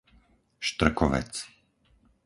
Štrkovec